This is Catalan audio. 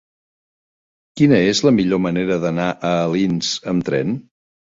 Quina és la millor manera d'anar a Alins amb tren?